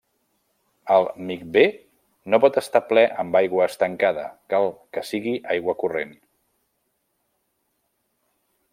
El micvé no pot estar ple amb aigua estancada, cal que sigui aigua corrent.